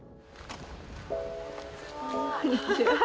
こんにちは。